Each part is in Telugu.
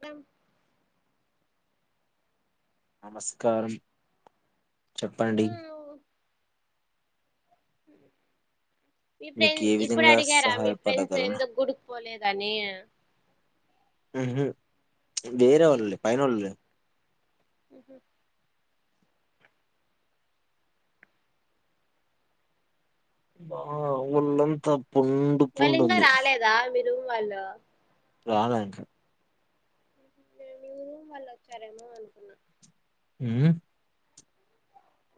మేం నమస్కారం చెప్పండి మీయావ్ ఇప్పుడు ఎందు మీ మీకు ఫ్రెండ్ ఏ ఇప్పుడు విధంగా అడిగారా మీ ఫ్రెండ్స్ సహాయపడగలను ఎందుకు గుడుక్ కోలేదని ఉహా వేరే వాళ్ళు లే పైనోళ్లు లే హ బా ఒళ్ళంతా పుండు వా పుండు లింగ ఉంది రాలేదా మీరు వాళ్ళు రాల ఇంక నువ్వు వాళ్ళు వచ్చారేమో అనుకున్నా హమ్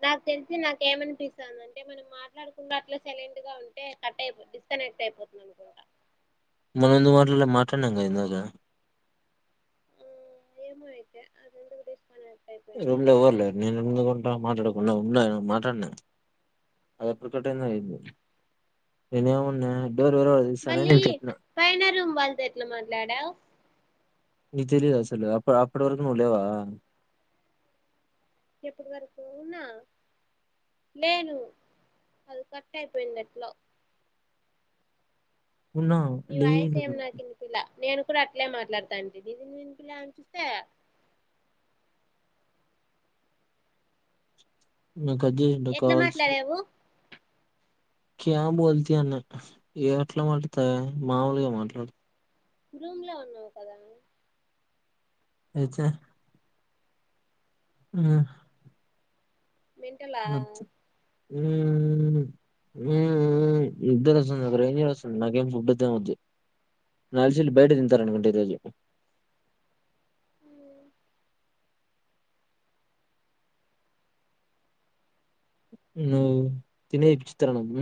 నాకు తెలిసి నాకు ఏమనిపిస్తుంది అంటే మనం మాట్లాడుకుండా అట్లా సైలెట్గా ఉంటే కట్ అయిపోంది డిస్కనెక్ట్ టై అయిపోతుందనుకుంటా మందు మాట్లాడలే మాట్లాడినం కదా ఇందాక ఆ ఏమో అయితే అది ఎందుకు డిస్కనెక్ట్ అయిపోయిందో రూమ్ లో ఎవ్వర్లే నేనెందుకుంటా మాట్లాడకుండా ఉండలేను మాట్లాడినా అదొప్పుకుంటూనే అయింది ఎన్ని ఉన్న డోర్ ఎవరెవరు తీస్తారని మళ్ళీ నేను చెప్పిన. పైన రూమ్ వాళ్ళతో ఎట్లా మాట్లాడావు నీ తెలియదా అసలు అప్పట్ అప్పటివరకు నువ్వు లేవా. ఎప్పుడు వరకు ఉన్న. లేను అది కట్ అయిపోయింది ఎట్లో ఉన్నా మీ వాయిస్ లేను ఏమ్ నాకినిపియ్యాల నేను ఇప్పుడు అట్లే మాట్లాడతాంటివి [unintelligible] ఉంచితే. మీర్ కట్ జేయండి ఎట్లా కాల్స్. మాట్లాడావు క్యా బోల్తి అన్నట్టు ఎట్లా మాట్లాడితే మామూలుగా మాట్లాడు రూమ్ లో ఉన్నావ్ కదా అయితే ఆ మెంటలా ఊఊ ఊ ఊ నిద్ర వస్తుంది నాకు [unintelligible] నాకేం ఫుడ్ తెవద్దు. నాక్ తెల్సి ఈళ్ళు బయట తింటారనుకుంట ఈ రోజు ఊ ను తినే ఇచిత్ర నువు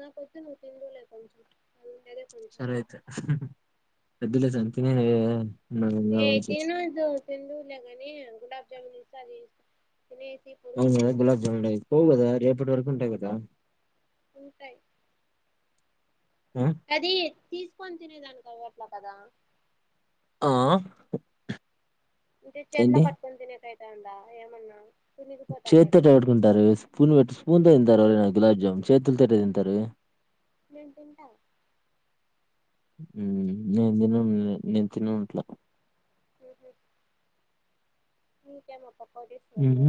నా కొద్దు నువ్ తిందువులే కొంచం అండ్లుండేదే సరే అయితే అదిలో సంతినంగా [unintelligible] ఎందుకు లే గానీ గులాబ్ జాముూన్ ఇంక అది తినిస్ అవునదా గులాబ్ జమున్ ఉ పోవు కదా రేపటి వరకు ఉంటాయి కదా ఉంటాయి ఆ అది తీసుకొని తినేదానికి అవ్వట్ల కదా ఆ ఇంటే చేట్ల ఏంటి పట్టుకొని తినకయితందా ఏమన్నా కునిగిపోతున్నాయి చేతోటి కదా ఎవరు తింటారు స్పూన్ పెట్టి స్పూన్తో తిను ఏవరైనా గులాబ్ జామ్ చేతుల తోటి తింతారు నేన్ తింటా ఊ ఏమో లేండి నేను తినట్లా ఊహు నీకెమప్ [unintelligible] ఊహు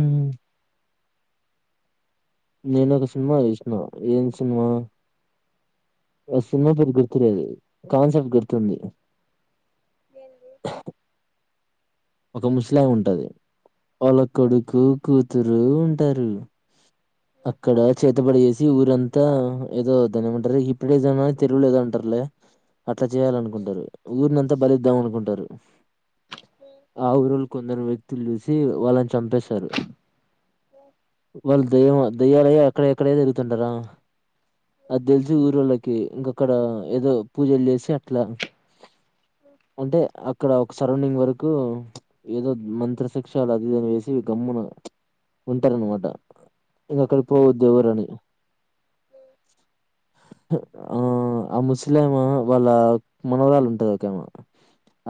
నినొక సినిమా చూసిన ఏం సినిమా నాకు సినిమా పేరు గుర్తులేదు కాన్సెప్ట్ గుర్తుంది ఏంది [unintelligible] ఒక ముస్లాం ఉంటది వాళ్ళ కొడుకు కూతురు ఉంటారు అక్కడ చేతబడి చేేసి ఊరంతా ఏదో దాని ఏమంటారు హిప్పటిసాం అని తెలుగు లో ఏదో అంటారు లే అట్లా చేయాల అనుకుంటారు ఊరినంతా బలిద్దాం అనుకుంటారు ఆ ఊరోళ్లు కొందరు వ్యక్తులు చూసి వాళ్ళని చంపేశారు వాళ్ళు ఏమో దయ్యాలయ అక్కడే ఎక్కడో తిరుగుతుంటారా అది తెలిసి ఊరోళ్ళకి ఇంక అక్కడ ఏదో పూజలు చేసి అట్లా అంటే అక్కడ ఒక సరౌండింగ్ వరకు కు ఏదో మంత్రశిక్ష అదిదని చేసి గమ్మున ఉంటారనమాట ఇంకా అక్కడ పోవద్దు ఎవరు అని ఆ ముస్లమ వాళ్ళ మనవరాలు ఉంటది ఒకామ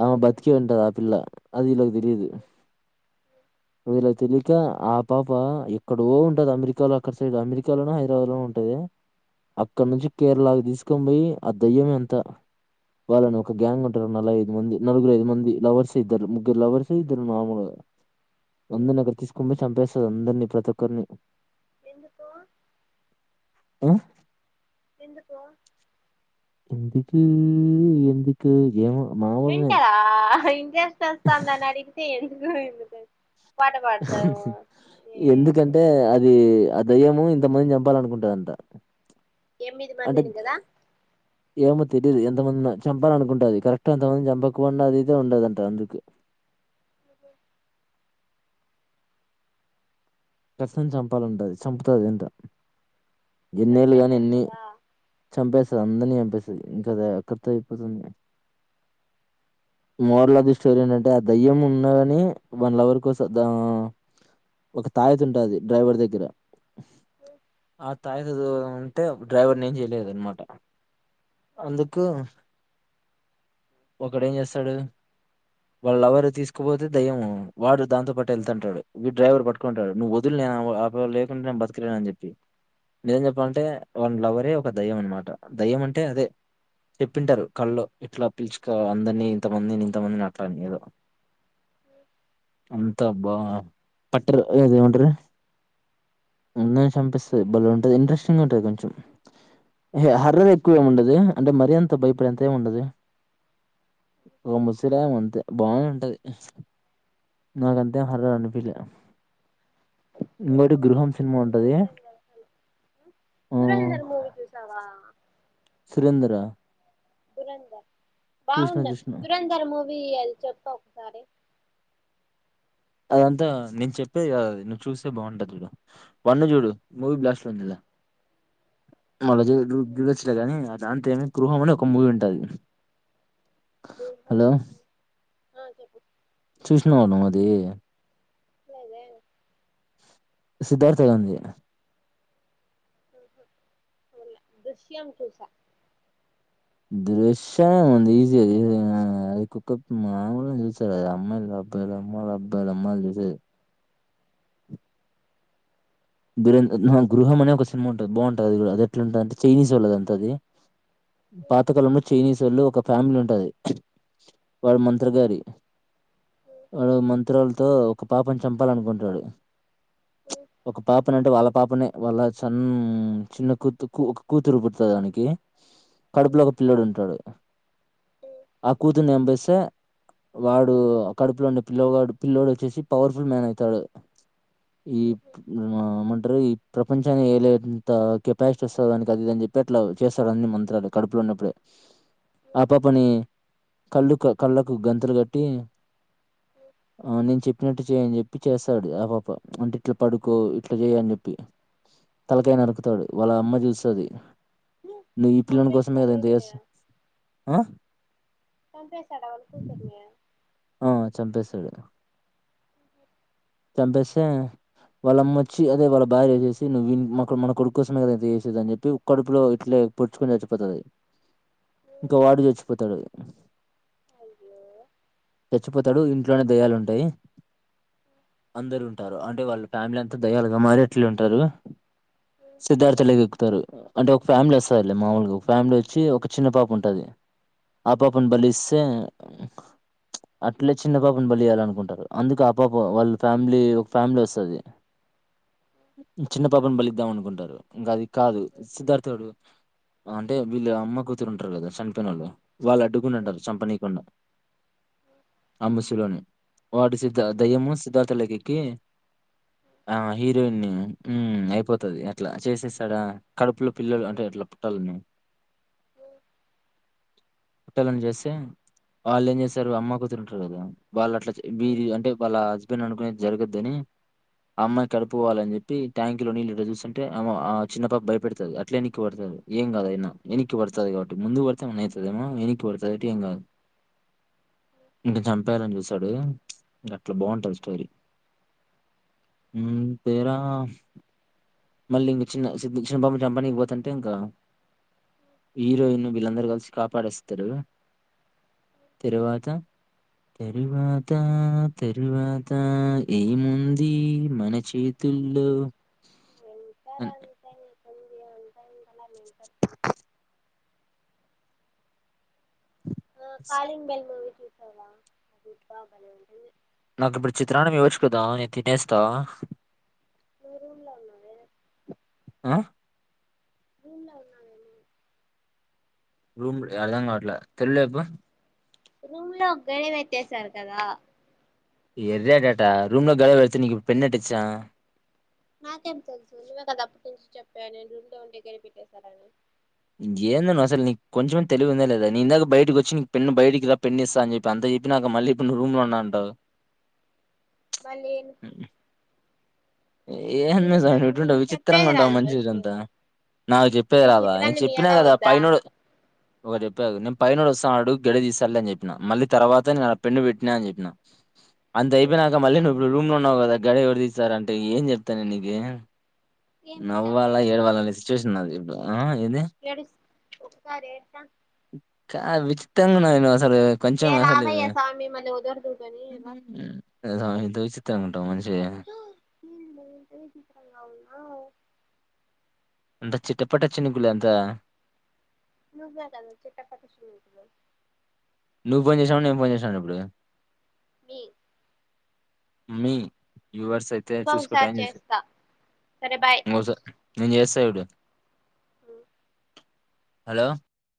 ఆమె బతికే ఉంటది ఆ పిల్ల అది ఇలాకి తెలిదు ఇలా తెలి కా ఆ పాప ఎక్కడ ఉంటది అమెరికాలో అక్కడ సైడ్ అమెరికాలోనే హైదరాబాద్ లోనే ఉంటది అక్కడ నుంచి కేరళకి తీసుకొని పోయి ఆ దయ్యం ఎంత వాళ్ళని ఒక గ్యాంగ్ ఉంటారు నల ఐదు మంది నలుగురు ఐదు మంది లవర్స్ ద్దరు ముగ్గల్వర్స్ ఇద్దరు మాములుగా వంద నగర్ తీసుకొ చంపస్ అక్కడ అందరినీ ప్రతి ఒక్కరిని ఎందుకో ఉ ఎందుకో ఎందుకు ఎందుకో ఏమో మామూలునే మెంటలా [unintelligible] ఆడిగితే ఎందుకు ఎందుకు పాట పాడతావు ఏ ఎందుకంటే అది దయ్యము ఇంతమంది చంపాలనుకుంటదంత ఎమ్మిది మందీని కదా ఏమో తెలియదు ఎంతమంది చంపాలని అనుకుంటది కరెక్ట్ ఎంతమంది చంపకుండా అది అయితే ఉండదు అంట అందుకు [unintelligible] [inaudible] కచ్చితంగా చంపాలంటది చంపుతది అంట వాళ్ళు ఎన్నేళ్ళు గాని ఎన్ని చంపేస్తుందా చంపేస్తాది అందరినీ చంపేస్త ఇంకా అక్కడితో అయిపోతుంది మోరల్ ఆఫ్ ది స్టోరీ ఏంటంటే ఆ దయ్యం ఉన్నగాని వన్ లవర్ కోస దా ఒక తాయెత్తు ఉంటది డ్రైవర్ దగ్గర ఆ తాయెత్తు దు అంటే డ్రైవర్ నీ ఏం చేయలేదు అనమాట అందుకు ఒకడు ఏం చేస్తాడు వాళ్ళు ఎవరు తీసుకుపోతే దయ్యము వాడు దాంతో పాటు వెళ్తుంటడు విడు డ్రైవర్ పట్టుకుంటాడు నువ్వు వదులు ఆమె ఆ పిల్ల లేకుంటే నేను బతకలేననీ అని చెప్పి నిజం చెప్పాలంటే వాళ్ళ లవరే ఒక దయ్యం అనమాట దయ్యం అంటే అదే చెప్పింటారు కళ్ల్లో ఇట్లా పిలుచుక అందరిని ఇంతమందినీ ఇంతమందినీ అట్లాని ఏదో హు అంతా బా పట్టరు ఆది ఏమంటారు అందరిని చంపేస్తది బలే ఉంటుది ఇంట్రెస్టింగ్ ఉంటది కొంచెం హార్రర్ ఎక్కువ ఏమి ఉండదు అంటే మరి అంత భయపడేంత ఏమి ఉండదు ఒక ముసలామె అంతే బానే ఉంటది నాకంతేమీ హార్రర్ అనిపిలే నేను ఇంకోటి మూవీ గృహం సినిమా చూసాను ఉంటది గౌరవం గౌరవం ఆ దురంధర్ మూవీ చూసావా సురేంద్ర దురంధర్ చూసిన బాగుంది ఆది చూసిన దురంధర్ మూవీ ఆది చెప్పు ఒక సారి అదంతా నేను చెప్పే కాదు అది నువ్వు చూస్తే బాగుంటాది చూడు వన్ చూడు మూవీ బ్లాస్ట్ర్ ఉంది మళ్ళా [unintelligible] కాని అ దాంతో ఏమి గృహం అని ఒక మూవీ ఉంటది దుర్హం హలో ఆ చెప్పు చూసినవ ఆది లేదే ఏమ్ సిద్ధార్థ గానిది ఆహ చూడాలా దృశ్యం చూసా దృశ్యం ఈజీ అది కుక్క మామూలుగా చూస్తారు ఆది అమ్మాయిలు [unintelligible] అమ్మాయిలు చూసేది గురం ఉహు గృహం అనే ఒక సినిమా ఉంటది బాగుంటది అది అది ఎట్లుంటది అంటే చైనీస్ వొళ్ళది అంతా అది పాతకాలంలో చైనీస్ వోళ్ళు ఒక ఫ్యామిలీ ఉంటది వాడు మంత్ర గారి వాడు మంత్రాలతో ఒక పాపను చంపాలనుకుంటాడు ఓ ఒక పాపనంటే వాళ్ళ పాపనే వాళ్ళ చన్న చిన్న కూతు ఒక కూతురు పుడుతాది వానికి కడుపులో ఒక పిల్లోడు ఉంటాడు ఆ కూతుర్ని చంపేస్తే వాడు కడుపులో ఉండే పిల్లవాడు పిల్లోడు వచ్చేసి పవర్ఫుల్ మ్యాన్ అయతాడు ఈ [unintelligible] టారు ఈ ప్రపంచాన్ని ఏలేంత కెపాసిటీ వస్తది వానికి అది ఇది అని చెప్పి అట్లా చేస్తాడు ఆన్ని మంత్రాలు కడుపు లో ఉన్నప్పుడే ఆ పాప నీ కళ్ళు కళ్ళలకు గంతలు కట్టి ఆ నేను చెప్పినట్టు చేయని చెప్పి చేస్తాడు ఆ పాప వంటిట్లా పడుకో ఇట్లా చెయ అని చెప్పి తలకై నరుకుతాడు వాళ్ళ అమ్మ చూస్తుది నువ్వు ఈ పిల్లల కోసమే చంపేస్తున్నాడే కదా చేస్తా ఆ త పసాడావన్ కూతురుమయ ఆ చంపేశాడు ఇ చెంపేసే వాళ్ళ అమ్మొచ్చిదే వాళ్ళ భార్య వేసి నువ్వు మన కొడు కోసమేద చేసే అని చెప్పి కడుపులో ఇట్లే పుడ్చుకొని చచ్చిపోతది ఇంకా వాడు చచ్చిపోతాడు అయ్యో చచ్చిపోతాడు ఇంట్లోనే దయ్యాలుంటాయి అందరుూ ఉంటారు అంటే వాళ్ళ ఫ్యామిలీ అంతా దయాలుగా మారేట్లు ఉంటారు సిద్ధార్థులే ఎక్కుతారు అంటే ఒక ఫ్యామిలీ వస్తారు మాముూలుగా ఒక ఫ్యామిలీ వ వచ్చి ఒక చిన్న పాప ఉంటుంది ఆ పాపను బలిస్తే అట్లే చిన్న పాపని బలియాల అనుకుంటారు అందుకు ఆ పాప వాళ్ళ ఫ్యామిలీ ఒక ఫ్యామిలీ వస్తుంది చిన్న పాపను బలిద్దాం అనుకుంటారు ఇంకా అది కాదు సిద్ధార్థుడు అంటే వీళ్ళు అమ్మ కూతురుంటారు కదా చనిపోయినళ్ళు వాళ్ళు అడ్డుకుని ఉంటారు చంపనీకుండా అంబసిలోని వాటి సిద్ధ దయ్యమహ సిధార్థలకికి ఆ హీరోయిన్ అయిపోతది అట్లా చేసేస్తాడా కడుపులో పిల్లలు అంటే పటలని పుట్టని చేస్తే వాళ్ళు ఏం చేస్తారు అమ్మ కూతురుంటారు కదా వాళ్ళు అట్లా వీరి అంటే వాళ్ళ హస్బెండ్ అనుకునేది జరగద్దని అమ్మాయి కడుపు పోవాలని చెప్పి ట్యాంకు లో నీళ్ళు చూస్తుంటే అమ ఆ చిన్నప భయపెడతారు అట్లే నక్కు పడుతారు ఏం కాదదు ఎకి వతాది కాబట్టి ముందుత ఉదేమ వత అైటి ఏం కాదు ఇంక చంపేయాలని చూసాడు ఇం అట్లా బాగుంటుంది స్టోరీ తీరా మళ్ళీ ఇ చిన్న చిన్న పాప ను చంపనిపోతుంటే ఇంకా హీరోయిన్ు వీళ్ళందరూ కలిసి కాపాడేస్తారు తరువాత తరువాత తరువాత ఏముంది మన చేతి చలు అ డి ఉంటల ఆ కాళింగ్ బేల్ మావి చూస అ ఇ ఉంట నాకు ఇప్పుడు చిత్రాన్నం ఇవ్వచ్చు కదా నేను తినేస్తా నువ రూమ్లా ఉన్నావే ఆ అఊన్లా ఉన్నాను రూమ్ యరదా కావట్లే తెర్లే ఎప్పు రూమ్ లో ఒకక్కడ వచ్చసారు కదా ఎర్యా టాటా రూమ్ లో గలవ ఎతు నకు పెన్న అటిచ్చా నాకేం తెలుసు నువే కదా అప్పటి నుంచి చెప్పావా నేను రూమ్ లో ఉండే గడి పెట్టేేశాని ఏంద అస నీ కొంచమే తెలివి ఉందా లేదా నీ ఇాక బయటకి వచ్చి పెు బయటికి రాలా పెన్ని ఇస్తా అని చెప్పి అంత చెప్ప నాక మళ్ళీ ఇప్పుడు రూమ్ లో ఉన్నా అంటావు మళ్ళీను ఏ అన్మజ చెప్ నీకు ఎటుంటావు విచిత్రంగా చెప్పేది ఉంటావు రాదు ఫస్ట్ మంచిరంతా నాకు చెప్పేది నీ రాదా నేను చిత్రాన్ని చెప్పినాను మీయాలా కదా వద్దా పైనడు ఒకే చెప్పేది విను పైనోడు వస్తాన్నాడు గేడి తీస్తాడు లే అని చెప్పిన మల్లి తర్వాత నేను పెన్ను పెట్టిన అ చెప్పిన అంత అయిపోయినాక మళ్ళీ నువ్వు ఇప్పుడు రూమ్ లో ఉన్నావు కదా గడి ఎవరి తీస్తార అంటే ఏం చెప్తను నీకు ఏమి నవ్వాల చెప్పాకు ఎడ్వాల అనే సిచువేషన్ నాది ఇప్పుడు ఆ ఏంది ఏడుస్ ఒకసారి ఏడ్చ చాలా విచిత్రంగా ఉన్నా నేను కొంచెం ఏ అసలు రావయ్య స్వామి మళ్ళీ వదరదు కాని రా ద ఇంతో విచిత్రం అనుకుంటా మనిషి [inaudible] అంత చిటపట చినుకులే అంత [inaudible] నువ్వు ఫోన్ చేసావా నేను ఫోన్ చేశానా ఇప్పుడు మీ మీ యూవర్స్ అయితే చూసుకో ఇంకొకసారి టైం చూసి చేస్తా సరే బాయ్ మస నేను చేస్తా చూడు హలో